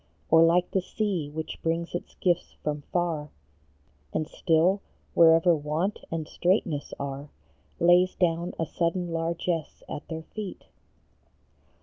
Or like the sea, which brings its gifts from far, And still, wherever want and straitness are, Lays down a sudden largess at their feet